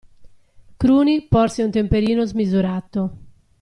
Cruni porse un temperino smisurato.